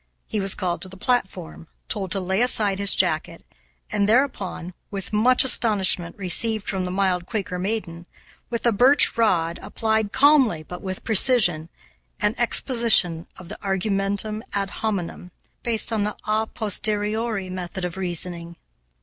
He was called to the platform, told to lay aside his jacket, and, thereupon, with much astonishment received from the mild Quaker maiden, with a birch rod applied calmly but with precision, an exposition of the argumentum ad hominem based on the a posteriori method of reasoning.